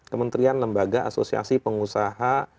kementerian lembaga asosiasi pengusaha